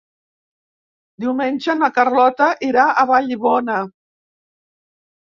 Diumenge na Carlota irà a Vallibona.